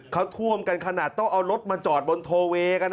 เขาท่วมกันขนาดต้องเอารถมาจอดบนโทเวกัน